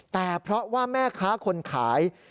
แต่เพราะว่าแม่ค้าคนขาย